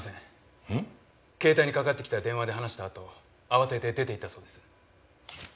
携帯にかかってきた電話で話したあと慌てて出て行ったそうです。